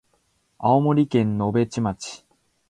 青森県野辺地町